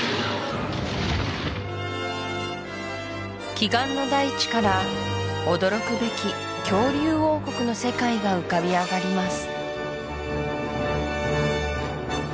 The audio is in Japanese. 奇岩の大地から驚くべき恐竜王国の世界が浮かび上がります